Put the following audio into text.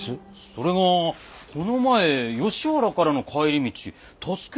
それが「この前吉原からの帰り道助けられた」って言ってるんですが。